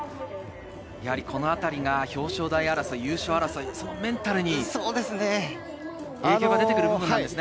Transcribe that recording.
このあたりが表彰台争い、優勝争い、メンタルに影響が出てくる部分なんですね。